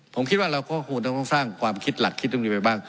ผมคิดว่าเราก็คงต้องสร้างความคิดหลักคิดตรงนี้ไปบ้าง